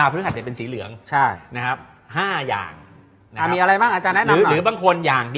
อาเม่เนี่ยเป็นสีเหลืองใช่นะครับห้าอย่างอาี่อะไรมั่นอาจจะแนะนำรึบางคนอย่าง